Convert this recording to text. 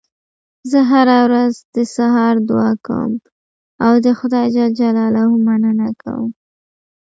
زه هره ورځ د سهار دعا کوم او د خدای ج مننه کوم